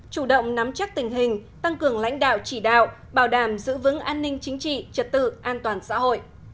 chủ động nắm chắc tình hình tăng cường lãnh đạo chỉ đạo bảo đảm giữ vững an ninh chính trị trật tự an toàn xã hội